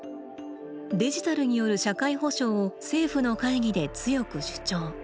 デジタルによる社会保障を政府の会議で強く主張。